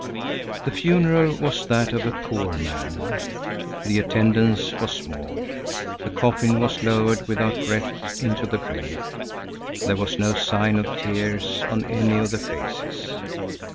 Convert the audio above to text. The funeral was that of a poor man. The attendance was small. The coffin was lowered without wreaths into the grave. There was no sign of tears on any of the faces.